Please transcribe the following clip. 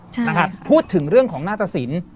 ใช่นะฮะพูดถึงเรื่องของน่าจะสิน